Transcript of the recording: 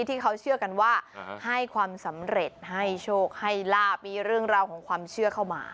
ที่เขาเชื่อกันว่าให้ความสำเร็จให้โชคให้ลาบมีเรื่องราวของความเชื่อเข้ามา